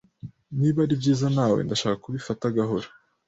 Niba ari byiza nawe, ndashaka kubifata gahoro.